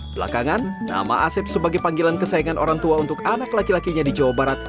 belakangan nama asep sebagai panggilan kesayangan orang tua untuk anak laki lakinya di jawa barat